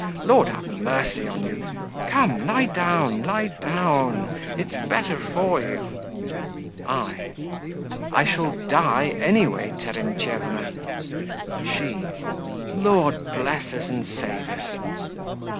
Lord have mercy on you! Come, lie down, lie down; it's better for you. I. I shall die any way, Terentyevna! SHE. Lord bless us and save us!...